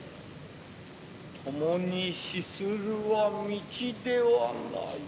共に死するは道ではない。